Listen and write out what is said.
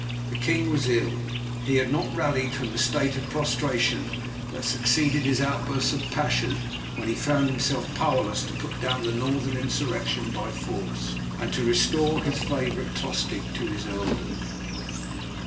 The king was ill; he had not rallied from the state of prostration that succeeded his outburst of passion when he found himself powerless to put down the Northern insurrection by force, and to restore his favourite Tostig to his earldom.